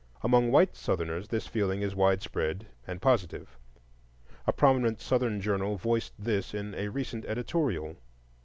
Among white Southerners this feeling is widespread and positive. A prominent Southern journal voiced this in a recent editorial.